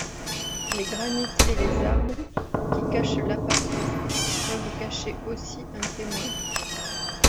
Les granits et les arbres, qui cachent l’aparté, peuvent cacher aussi un témoin.